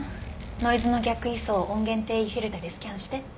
ノイズの逆位相を音源定位フィルタでスキャンして。